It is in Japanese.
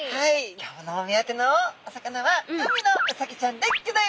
今日のお目当てのお魚は海のウサギちゃんでギョざいます！